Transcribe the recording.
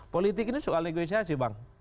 politik ini soal negosiasi bang